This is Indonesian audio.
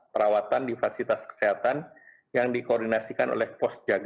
perawatan di fasilitas kesehatan yang dikoordinasikan oleh postjadis